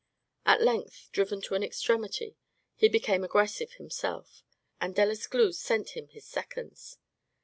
At length, driven to an extremity, he became aggressive himself, and Delescluze sent him his seconds.